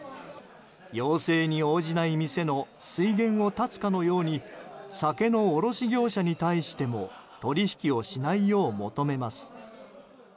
要請に応じない店の水源を断つかのように酒の卸業者に対しても取引をしないよう求めます。